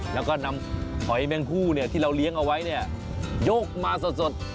แล้วก็นำหอยแมงคู่ที่เราเลี้ยงเอาไว้เนี่ยยกมาสด